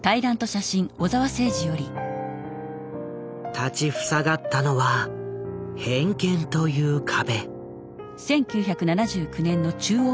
立ち塞がったのは偏見という壁。